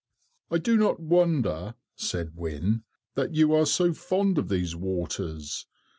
"I do not wonder," said Wynne, "that you are so fond of these waters.